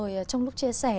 vừa rồi trong lúc chia sẻ